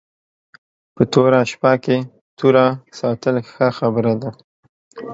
په توره شپه کې توره ساتل ښه خبره ده